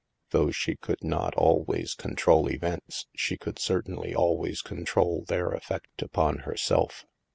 Though she could not always con trol events, she could certainly always control their effect upon herself.